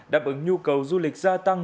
đáp ứng nhu cầu du lịch gia tăng